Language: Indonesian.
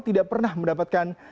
tidak pernah mendapatkan piala citra